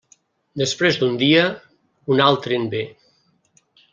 Després d'un dia, un altre en ve.